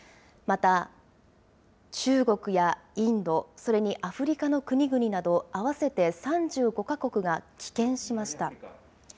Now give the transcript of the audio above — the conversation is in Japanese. また、中国やインド、それにアフリカの国々など、合わせて３５か国が棄権しました。